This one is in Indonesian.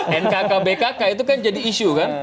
dan kkbkk itu kan jadi isu kan